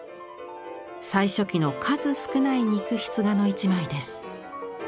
最初期の数少ない肉筆画の一枚です。